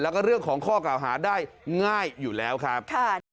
แล้วก็เรื่องของข้อกล่าวหาได้ง่ายอยู่แล้วครับ